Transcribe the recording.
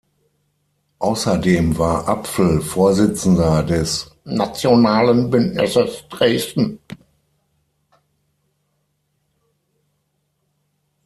Außerdem war Apfel Vorsitzender des "Nationalen Bündnisses Dresden".